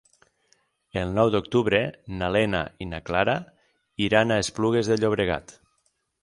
El nou d'octubre na Lena i na Clara iran a Esplugues de Llobregat.